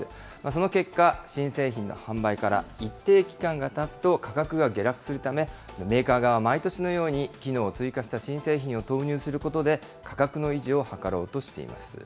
その結果、新製品の販売から一定期間がたつと価格が下落するため、メーカー側は毎年のように機能を追加した新製品を投入することで、価格の維持を図ろうとしています。